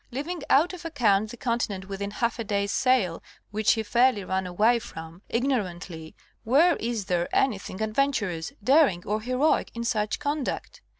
Leaving out of account the continent within half a day's sail which he fairly ran away from, ignorantly, where is there any thing adventurous, daring or heroic in such conduct